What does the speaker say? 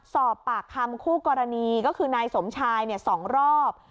สอบปากคำคู่กรณีก็คือนายสมชาย๒รอบ